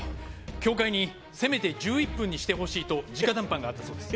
協会に「せめて１１分にしてほしい」と直談判があったそうです。